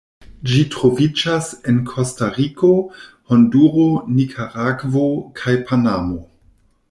Ĝi troviĝas en Kostariko, Honduro, Nikaragvo kaj Panamo.